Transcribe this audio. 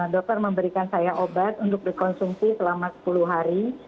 dokter memberikan saya obat untuk dikonsumsi selama sepuluh hari